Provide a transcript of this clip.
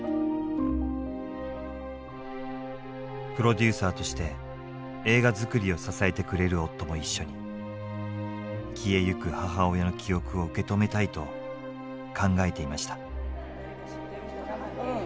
プロデューサーとして映画づくりを支えてくれる夫も一緒に消えゆく母親の記憶を受け止めたいと考えていました。